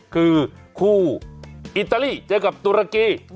คือคู่อิตาลีเจอกับตุรกี